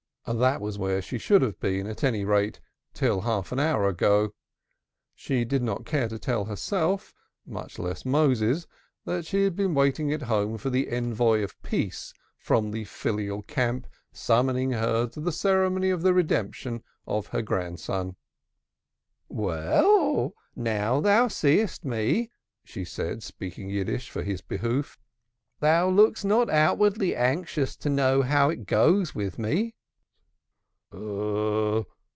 That was where she should have been, at any rate, till half an hour ago. She did not care to tell herself, much less Moses, that she had been waiting at home for the envoy of peace from the filial camp summoning her to the ceremony of the Redemption of her grandson. "Well, now thou seest me," she said, speaking Yiddish for his behoof, "thou lookest not outwardly anxious to know how it goes with me."